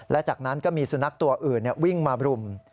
และจากนั้นก็มีสุนัขตัวอื่นวิ่งมารุม